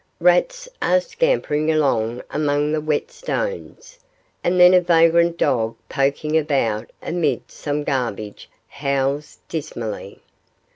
Rats are scampering along among the wet stones, and then a vagrant dog poking about amid some garbage howls dismally.